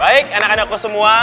baik anak anakku semua